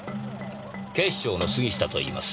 警視庁の杉下といいます。